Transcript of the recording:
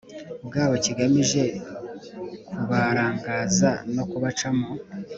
bwabo kigamije kubarangaza no kubacamo